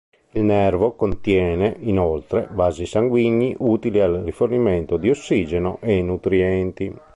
Il nervo contiene, inoltre, vasi sanguigni utili al rifornimento di ossigeno e nutrienti.